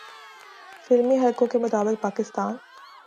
فلمی حلقوں کے مطابق پاکستان